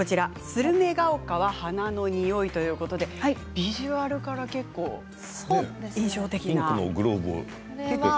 「スルメが丘は花の匂い」ということでビジュアルから結構印象的ですね。